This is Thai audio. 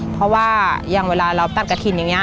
เพราะว่าอย่างเวลาเราตัดกระถิ่นอย่างนี้